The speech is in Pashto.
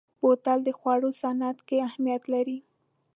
بوتل د خوړو صنعت کې اهمیت لري.